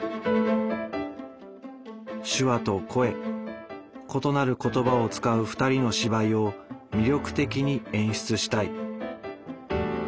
手話と声異なる言葉を使う２人の芝居を魅力的に演出したい。